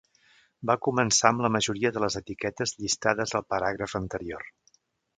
Va començar amb la majoria de les etiquetes llistades al paràgraf anterior.